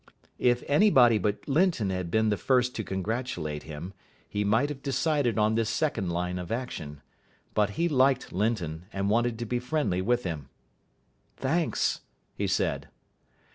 If anybody but Linton had been the first to congratulate him he might have decided on this second line of action. But he liked Linton, and wanted to be friendly with him. "Thanks," he said.